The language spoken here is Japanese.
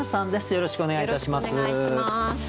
よろしくお願いします。